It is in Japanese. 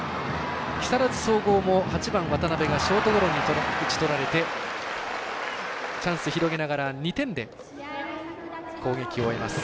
木更津総合も８番、渡辺がショートゴロに打ち取られてチャンス広げながら２点で攻撃を終えます。